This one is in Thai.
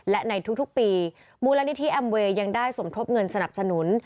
และในทุกปีมูลนิธิแอมเวย์ยังได้สมทบเงินสนับสนุน